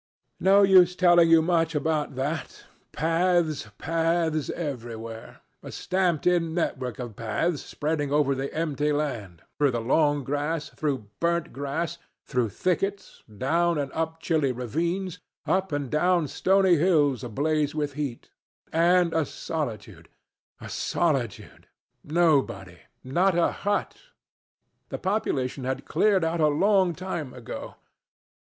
"No use telling you much about that. Paths, paths, everywhere; a stamped in network of paths spreading over the empty land, through long grass, through burnt grass, through thickets, down and up chilly ravines, up and down stony hills ablaze with heat; and a solitude, a solitude, nobody, not a hut. The population had cleared out a long time ago.